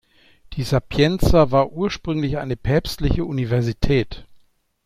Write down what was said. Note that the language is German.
Die "Sapienza" war ursprünglich eine päpstliche Universität.